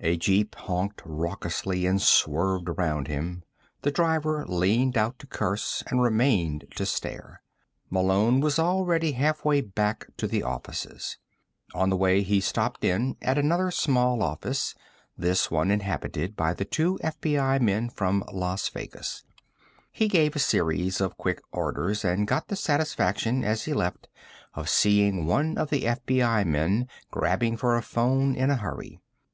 A jeep honked raucously and swerved around him. The driver leaned out to curse and remained to stare. Malone was already halfway back to the offices. On the way, he stopped in at another small office, this one inhabited by the two FBI men from Las Vegas. He gave a series of quick orders, and got the satisfaction, as he left, of seeing one of the FBI men grabbing for a phone in a hurry.